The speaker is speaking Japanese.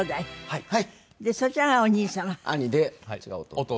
はい。